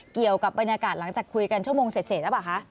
เกี่ยวกับบรรยากาศหลังจากคุยกันชั่วโมงเสร็จหรือเปล่าคะ